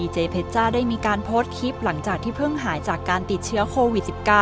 เจเพชจ้าได้มีการโพสต์คลิปหลังจากที่เพิ่งหายจากการติดเชื้อโควิด๑๙